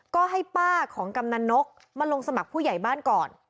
ก็ให้ป้าของกำนันนกมาลงสมัครผู้ใหญ่บ้านก่อน